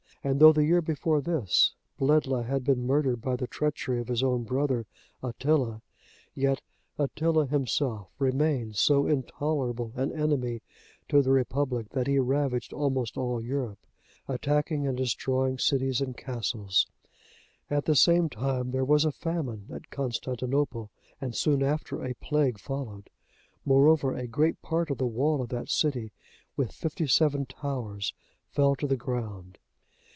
And though the year before this(82) Bledla had been murdered by the treachery of his own brother Attila, yet Attila himself remained so intolerable an enemy to the Republic, that he ravaged almost all Europe, attacking and destroying cities and castles. At the same time there was a famine at Constantinople, and soon after a plague followed; moreover, a great part of the wall of that city, with fifty seven towers, fell to the ground.